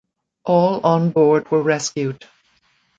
All on board were rescued.